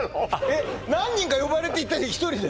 えっ何人か呼ばれて行ったんじゃ１人で？